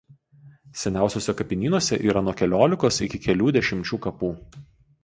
Seniausiuose kapinynuose yra nuo keliolikos iki kelių dešimčių kapų.